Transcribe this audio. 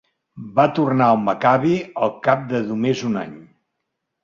Va tornar al Maccabi al cap de només un any.